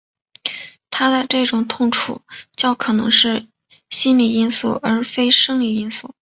他的这种痛楚较可能是心理因素而非生理因素。